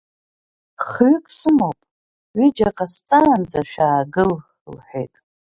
Хәҩык сымоуп, ҩыџьа ҟасҵаанӡа шәаагыл, — лҳәеит.